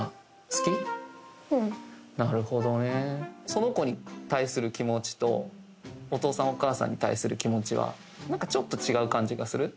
その子に対する気持ちとお父さんお母さんに対する気持ちは何か違う感じがする？